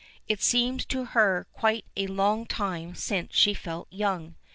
It seems to her quite a long time since she felt young.